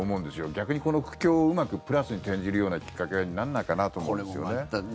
逆にこの苦境をプラスに転じるようなきっかけにならないかなと思うんです。